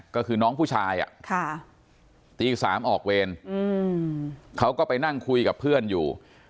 ก็คือน้องผู้ชายตี๓ออกเวรเขาก็ไปนั่งคุยกับเพื่อนอยู่